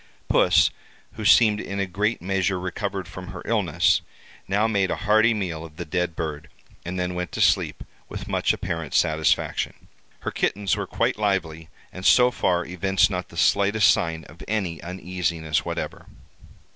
Puss, who seemed in a great measure recovered from her illness, now made a hearty meal of the dead bird and then went to sleep with much apparent satisfaction. Her kittens were quite lively, and so far evinced not the slightest sign of any uneasiness whatever.